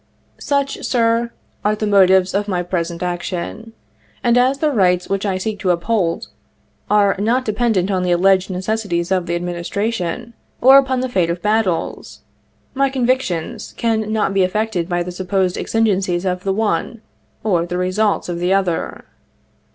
" Such, Sir, are the motives of my present action ; and as the rights which I seek to uphold are not dependent upon the alleged necessities of the Administration, or upon the fate of battles, my convictions can not be affected by the supposed exigencies of the one, or the results of the other.